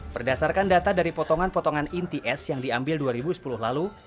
berdasarkan data dari potongan potongan inti es yang diambil dua ribu sepuluh lalu